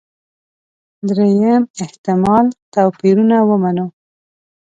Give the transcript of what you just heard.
درېیم احتمال توپيرونه ومنو.